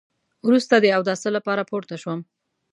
وروسته د اوداسه لپاره پورته شوم.